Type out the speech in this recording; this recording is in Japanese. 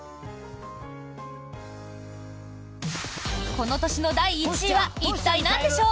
この年の第１位は一体、なんでしょう。